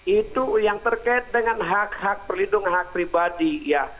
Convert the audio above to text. itu yang terkait dengan hak hak perlindungan hak pribadi ya